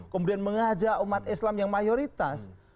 kemudian mengajak umat islam yang mayoritas